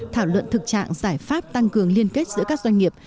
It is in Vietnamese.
thảo luận thực trạng giải pháp tăng cường liên kết giữa các doanh nghiệp